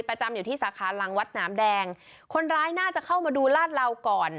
ประจำอยู่ที่สาขาหลังวัดหนามแดงคนร้ายน่าจะเข้ามาดูลาดเหลาก่อน